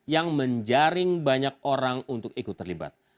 yang menjaring banyak orang untuk ikut terlibat